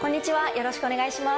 よろしくお願いします。